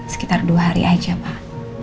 sekitar dua hari aja pak